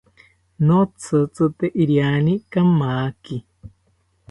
Notzitzite iriani kamaki